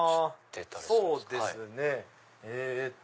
そうですねえっと。